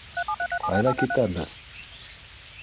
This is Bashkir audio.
Ҡайҙа китәбеҙ?